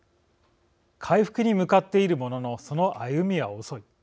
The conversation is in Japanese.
回復に向かっているもののその歩みは遅い。